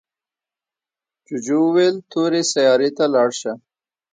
جوجو وویل تورې سیارې ته لاړ شه.